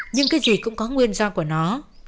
nhưng cái gì cũng có nguyên do của nó